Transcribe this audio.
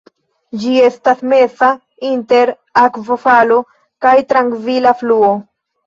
Ĝi estas meza inter akvofalo kaj trankvila fluo.